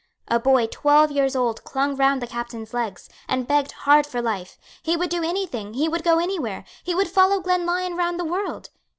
A boy twelve years old clung round the Captain's legs, and begged hard for life. He would do any thing; he would go any where; he would follow Glenlyon round the world.